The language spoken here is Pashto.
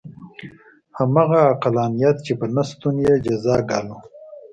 همغه عقلانیت چې په نه شتون یې جزا ګالو.